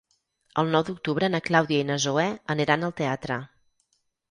El nou d'octubre na Clàudia i na Zoè aniran al teatre.